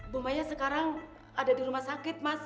bu maya sekarang ada di rumah sakit mas